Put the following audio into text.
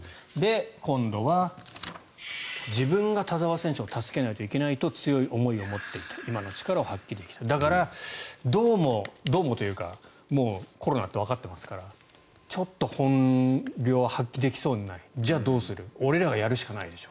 今度は自分が田澤選手を助けなきゃいけないと強い思いを持っていた今の力を発揮できただから、どうもどうもっていうかコロナってわかっていますからちょっと本領発揮できそうにないじゃあどうする俺らがやるしかないでしょ。